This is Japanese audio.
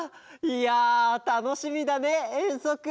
いやたのしみだねえんそく！